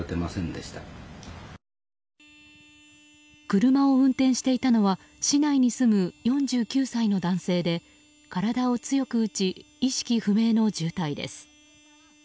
車を運転していたのは市内に住む４９歳の男性で体を強く打ち意識不明の重体です。